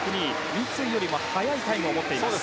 三井よりも速いタイムを持っています。